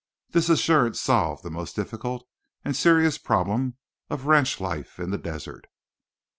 This assurance solved the most difficult and serious problem of ranch life in the desert.